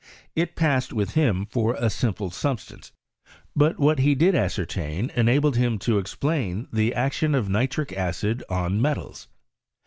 It passed with him for a simple substance ; but what he did ascertain enabled him to explain the action of nitric acid on metals.